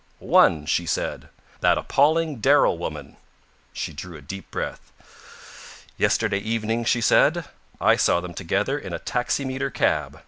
"One," she said. "That appalling Darrell woman." She drew a deep breath. "Yesterday evening," she said, "I saw them together in a taximeter cab.